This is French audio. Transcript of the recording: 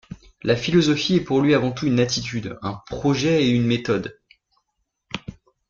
La philosophie est pour lui avant tout une attitude, un projet et une méthode.